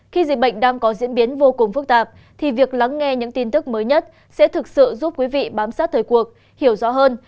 khi dịch bệnh đang có diễn biến vô cùng phức tạp thì việc lắng nghe những tin tức mới nhất sẽ thực sự giúp quý vị bám sát thời cuộc hiểu rõ hơn